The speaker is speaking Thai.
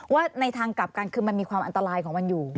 ว่าในทางกลับกันคือมันมีความอันตรายของมันอยู่